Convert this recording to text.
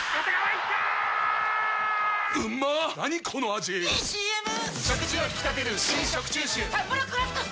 ⁉いいＣＭ！！